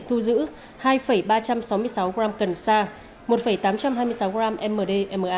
thu giữ hai ba trăm sáu mươi sáu g cần sa một tám trăm hai mươi sáu g emm